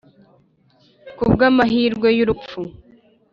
kubwamahirwe y'urupfu